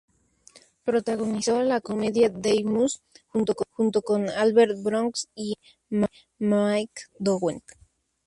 Protagonizó la comedia "The Muse" junto con Albert Brooks y Andie MacDowell.